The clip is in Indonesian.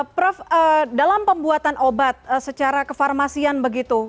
prof dalam pembuatan obat secara kefarmasian begitu